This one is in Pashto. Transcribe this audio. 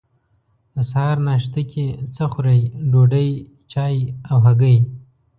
د سهار ناشته کی څه خورئ؟ ډوډۍ، چای او هګۍ